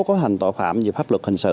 có hành tội phạm về pháp luật hình sự